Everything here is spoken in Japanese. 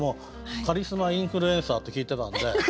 カリスマインフルエンサーって聞いてたんで。